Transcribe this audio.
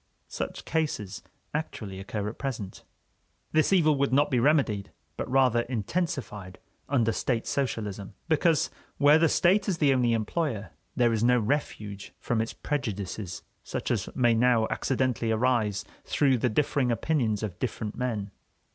Such cases actually occur at present. This evil would not be remedied, but rather intensified, under state socialism, because, where the State is the only employer, there is no refuge from its prejudices such as may now accidentally arise through the differing opinions of different men.